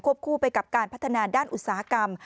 คู่ไปกับการพัฒนาด้านอุตสาหกรรม